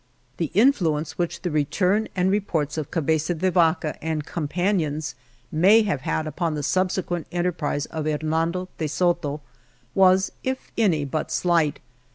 The influence which the return and re ports of Cabeza de Vaca and companions may have had upon the subsequent enter prise of Hernando de Soto was, if any, but slight.